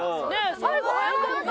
最後速かった。